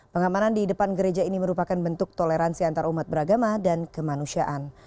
pengamanan di depan gereja ini merupakan bentuk toleransi antarumat beragama dan kemanusiaan